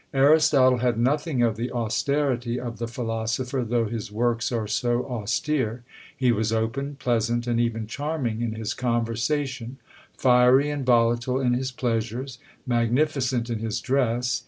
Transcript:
Aristotle had nothing of the austerity of the philosopher, though his works are so austere: he was open, pleasant, and even charming in his conversation; fiery and volatile in his pleasures; magnificent in his dress.